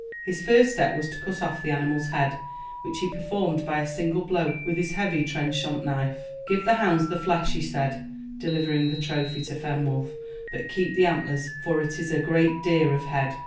His first step was to cut off the animal's head, which he performed by a single blow with his heavy trenchant knife. "Give the hounds the flesh," he said, delivering the trophy to Fenwolf; "but keep the antlers, for it is a great deer of head."